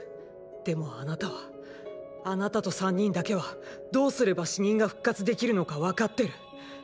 でもあなたはあなたと３人だけはどうすれば死人が復活できるのかわかってる。